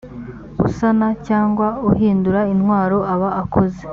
usana cyangwa uhindura intwaro aba akoze